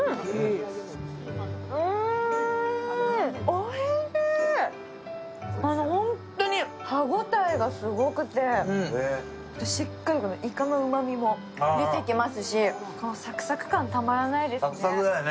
おいしいホントに歯応えがすごくてしっかり、いかのうまみも出てきますし、サクサク感、たまらないですね。